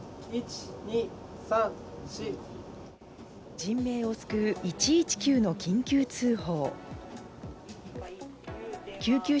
人命を救う１１９の緊急通報。